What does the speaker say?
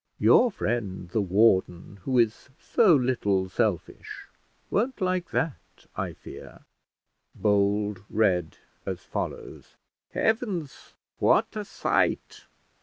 "Your friend the warden, who is so little selfish, won't like that, I fear." Bold read as follows Heavens, what a sight!